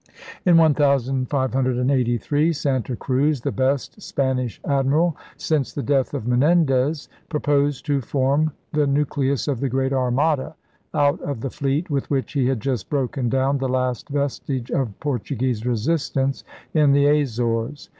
In 1583 Santa Cruz, the best Spanish admiral since the death of Menendez, proposed to form the nucleus of the Great Armada out of the fleet with which he had just broken down the last vestige of Portuguese resistance in the Azores.